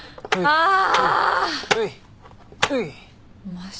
ああ。